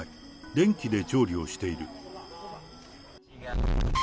電気で調理をしている。